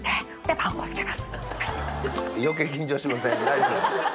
大丈夫です？